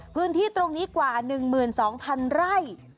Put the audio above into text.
พื้นที่ตรงนี้กว่า๑๒๐๐๐ไร่